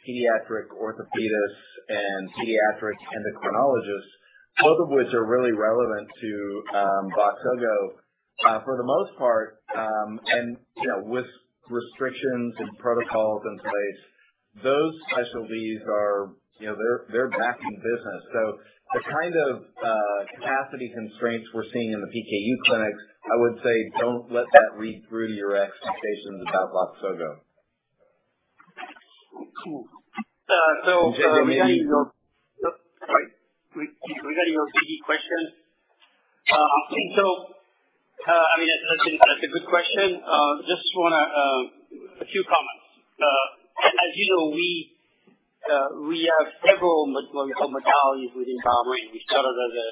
pediatric orthopedists and pediatric endocrinologists, both of which are really relevant to Voxzogo, for the most part, you know, with restrictions and protocols in place, those specialties are, you know, they're back in business. The kind of capacity constraints we're seeing in the PKU clinics, I would say don't let that read through your expectations about Voxzogo. Regarding your JJ, maybe. Sorry. Regarding your PD question. I think so. I mean, that's a good question. Just wanna a few comments. As you know, we have several what we call modalities within our range. We started as a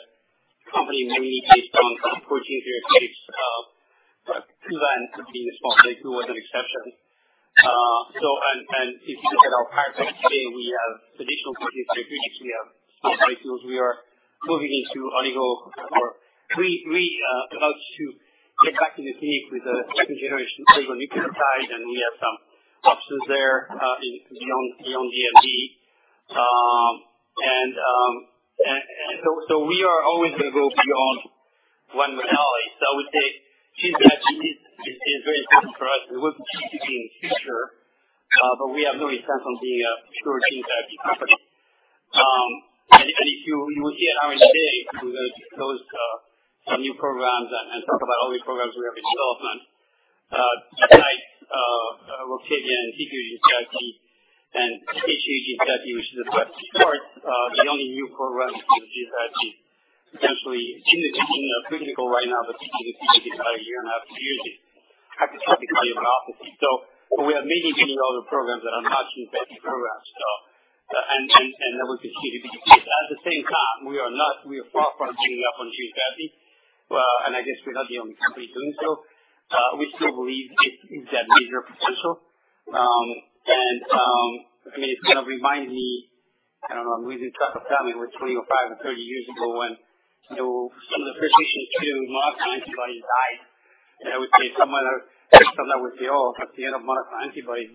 company many decades ago, 14, 15 years ago. But two brands would be responsible. Two was an exception. If you look at our pipeline today, we have traditional protein therapeutics. We have small molecules. We are moving into oligo, about to get back in the clinic with the second generation of oligonucleotide, and we have some options there, beyond DMD. We are always gonna go beyond one modality. I would say gene therapy is very important for us. It will continue to be in the future, but we have no intent on being a pure gene therapy company. If you look at our R&D through those new programs and talk about all the programs we have in development, besides Roctavian and PKU gene therapy and HAE gene therapy, which is the best part, the only new program for the gene therapy, potentially gene is in the clinic right now, but BMN-293 is maybe about one point five to two years in hypertrophic cardiomyopathy. We have many other programs that are not gene therapy programs, and that we can see to be the case. At the same time, we are far from giving up on gene therapy. I guess we're not the only company doing so. We still believe it has that major potential. I mean, it kind of reminds me, I don't know, we've been trying to tell 'em what twenty-five and thirty years ago when, you know, some of the first patients to monoclonal antibodies died. I would say someone would say, "Oh, that's the end of monoclonal antibodies.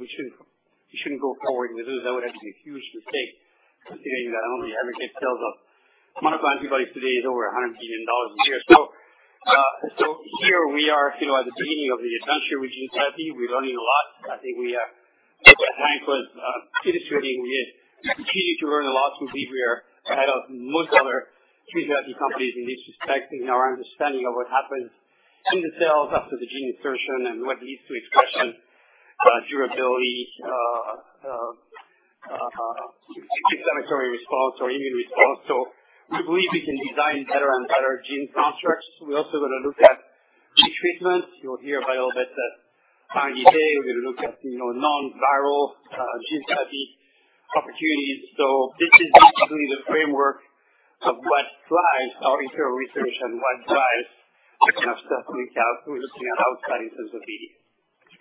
We shouldn't go forward with this." That would actually be a huge mistake considering that only the aggregate sales of monoclonal antibodies today is over $100 billion a year. So here we are, you know, at the beginning of the adventure with gene therapy. We're learning a lot. I think we, as Hank was illustrating, we continue to learn a lot from people. We are ahead of most other gene therapy companies in this respect, in our understanding of what happens in the cells after the gene insertion and what leads to expression, durability, inflammatory response or immune response. We believe we can design better and better gene constructs. We also gonna look at gene treatments. You'll hear about all that at R&D Day. We're gonna look at, you know, non-viral gene therapy opportunities. This is basically the framework of what drives our internal research and what drives the kind of stuff coming out. We're just being outside-in.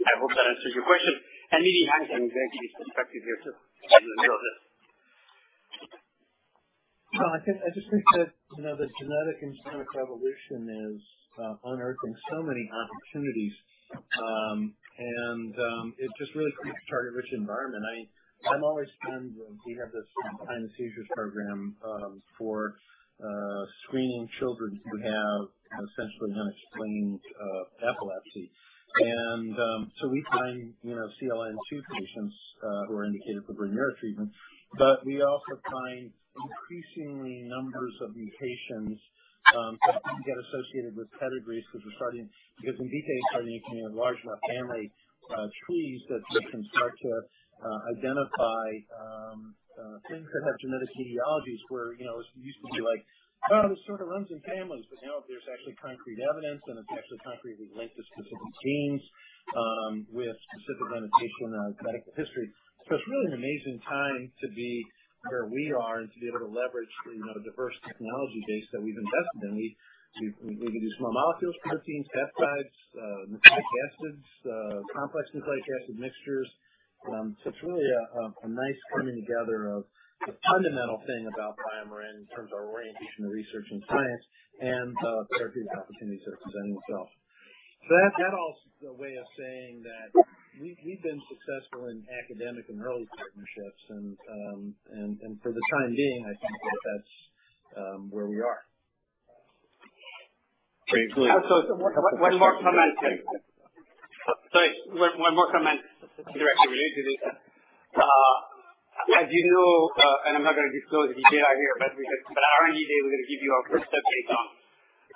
I hope that answers your question. Maybe, Hank, I can get your perspective here, too, in the middle of this. No, I just think that, you know, the genetic and genomic revolution is unearthing so many opportunities. It just really creates a target-rich environment. We have this kind of seizure program for screening children who have essentially unexplained epilepsy. We find, you know, CLN2 patients who are indicated for Brineura treatment. We also find increasing numbers of mutations that can get associated with pedigrees 'cause we're starting to get some details coming in large enough family trees that they can start to identify things that have genetic etiologies where, you know, it used to be like, "Oh, this sort of runs in families." Now there's actually concrete evidence, and it's actually concretely linked to specific genes with specific annotation of medical history. It's really an amazing time to be where we are and to be able to leverage the, you know, diverse technology base that we've invested in. We can do small molecules, proteins, peptides, nucleic acids, complex nucleic acid mixtures. It's really a nice coming together of the fundamental thing about BioMarin in terms of our orientation to research and science and therapeutic opportunities that are presenting itself. That all is the way of saying that we've been successful in academic and early partnerships and for the time being, I think that that's where we are. Great. One more comment. Sorry, one more comment directly related to this. As you know, I'm not gonna disclose the detail out here, but at R&D Day, we're gonna give you our first update on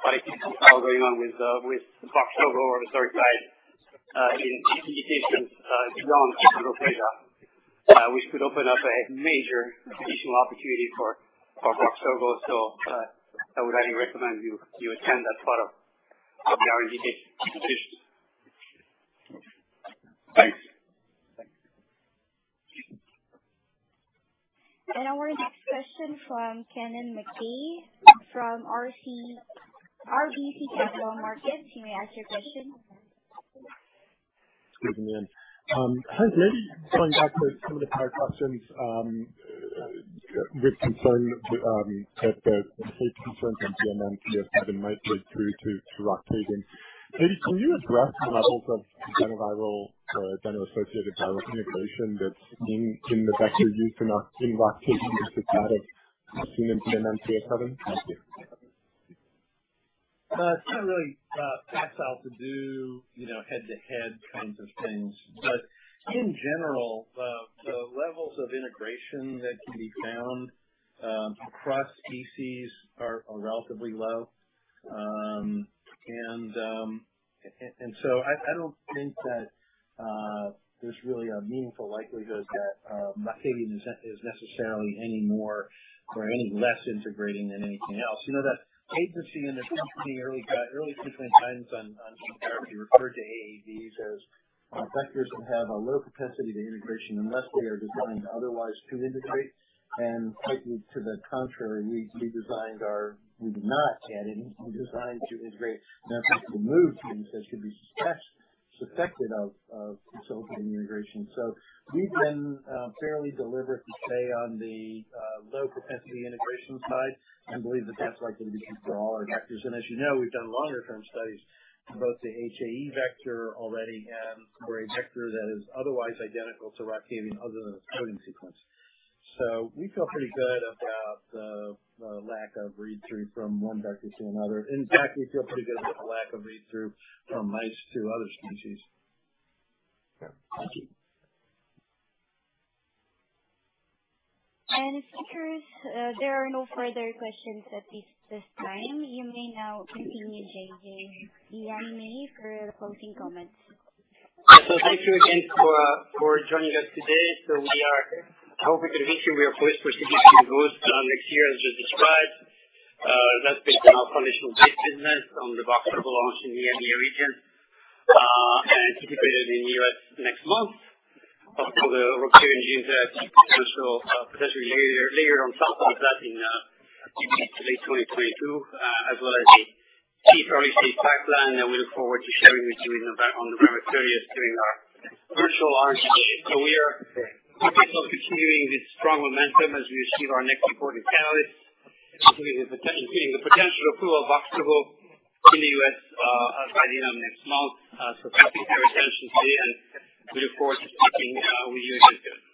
what is now going on with Voxzogo in skeletal indications beyond achondroplasia, which could open up a major additional opportunity for Voxzogo. I would highly recommend you attend that part of the R&D Day presentation. Thanks. Our next question from Kennen MacKay, RBC Capital Markets. You may ask your question. Good afternoon. Hi. Maybe going back to some of the prior questions, with concern that the safety concerns in BMN-Tf7 might break through to Roctavian. Maybe can you address the levels of adeno viral, adeno associated viral integration that's in the vector used in Roctavian compared to that of human BMN-Tf7? Thank you. It's not really practical to do, you know, head-to-head kinds of things. In general, the levels of integration that can be found across species are relatively low. I don't think that there's really a meaningful likelihood that Roctavian is necessarily any more or any less integrating than anything else. You know, the agency and the company early in the treatment of gene therapy referred to AAVs as vectors that have a low propensity to integration unless they are designed otherwise to integrate. Quite to the contrary, we did not add any designed-to-integrate methods to move genes that should be suspected of resulting in integration. We've been fairly deliberate to stay on the low propensity integration side and believe that that's likely to be true for all our vectors. As you know, we've done longer term studies, both the HAE vector already and for a vector that is otherwise identical to Roctavian other than its coding sequence. We feel pretty good about the lack of read-through from one vector to another. In fact, we feel pretty good about the lack of read-through from mice to other species. Okay. Thank you. It appears there are no further questions at this time. You may now continue, JJ and team, for closing comments. Thank you again for joining us today. We are hoping to meet you. We are poised for significant growth next year as just described. That's based on our conditional base business on the Voxzogo launch in the EMEA region and anticipated in the U.S. next month. Also, the Roctavian gene therapy potential, potentially later on sometime in maybe late 2022, as well as the key early-stage pipeline that we look forward to sharing with you in the back on November 30 during our virtual R&D Day. We are focused on continuing this strong momentum as we receive our next important catalyst, including the potential approval of Voxzogo in the U.S. by the end of next month. Thank you for your attention today, and we look forward to speaking with you again soon.